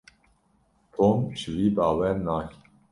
Tom ji wî bawer nake.